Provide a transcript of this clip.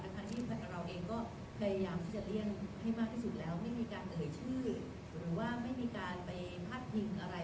ที่เราเองก็พยายามที่จะเลี่ยงให้มากที่สุดแล้วไม่มีการเอ่ยชื่อหรือว่าไม่มีการไปพาดพิงอะไร